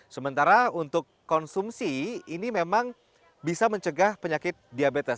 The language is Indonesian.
sementara untuk konsumsi ini memang bisa mencegah penyakit diabetes